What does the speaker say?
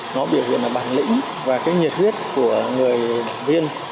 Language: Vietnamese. nó biểu hiện bản lĩnh và nhiệt huyết của người đảng viên